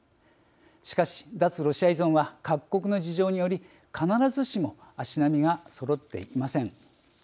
しかし、脱ロシア依存は各国の事情により必ずしも足並みがそろっていません。